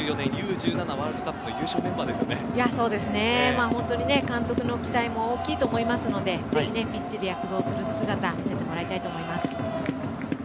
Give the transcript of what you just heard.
ワールドカップ監督の期待も大きいと思いますのでぜひ、ピッチで躍動する姿見せてほしいと思います。